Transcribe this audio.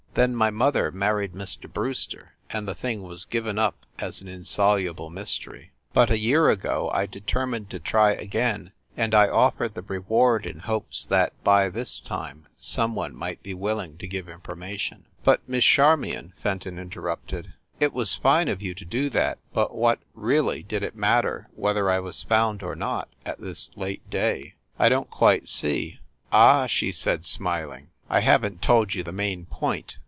Then my mother married Mr. Brewster, and the thing was given up as an in soluble mystery. But I year ago I determined to try again, and I offered the reward in hopes that, by this time, some one might be willing to give infor mation." "But, Miss Charmion," Fenton interrupted, "it was fine of you to do that; but what, really, did it matter whether I was found or not, at this late day? I don t quite see !" "Ah!" she said, smiling. "I haven t told you the main point.